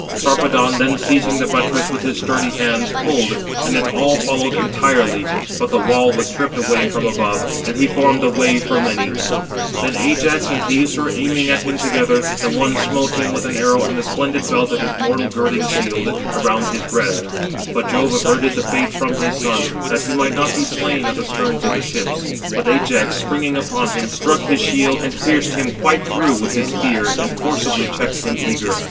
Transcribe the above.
Sarpedon then seizing the buttress with his sturdy hands, pulled, and it all followed entirely; but the wall was stripped away from above, and he formed a way for many. Then Ajax and Teucer aiming at him together, the one smote him with an arrow in the splendid belt of his mortal girding shield, around his breast; but Jove averted the fate from his son, that he might not be slain at the sterns of the ships. But Ajax, springing upon him, struck his shield, and pierced him quite through with his spear, and forcibly checked him eager.